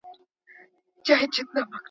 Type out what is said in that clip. تل یې فکر د کالیو د سیالۍ وو ,